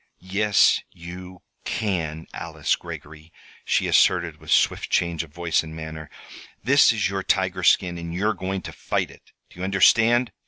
"Yes you can, Alice Greggory," she asserted, with swift change of voice and manner. "This is your tiger skin, and you're going to fight it. Do you understand?